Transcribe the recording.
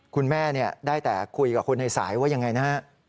คุณแม่ได้แต่คุยกับคนในสายว่ายังไงนะฮะ